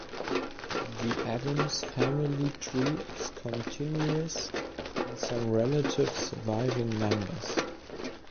The Adams family tree is continuous in some relative surviving members.